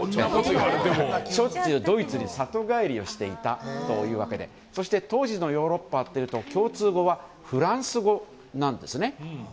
しょっちゅうドイツに里帰りをしていたというわけでそして当時のヨーロッパというと共通語はフランス語なんですね。